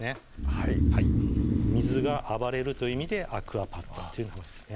はい水が暴れるという意味でアクアパッツァという名前ですね